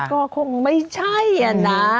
แล้วก็คงไม่ใช่น่ะ